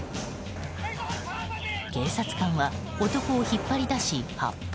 警察官は男を引っ張り出し、発砲。